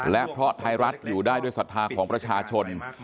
และเพราะไทยรัฐอยู่ได้ด้วยศรัทธาของประชาชน